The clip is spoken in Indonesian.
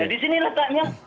nah di sini letaknya